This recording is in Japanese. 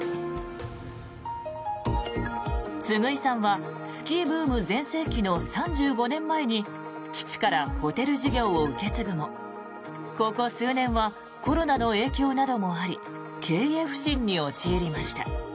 次井さんはスキーブーム全盛期の３５年前に父からホテル事業を受け継ぐもここ数年はコロナの影響などもあり経営不振に陥りました。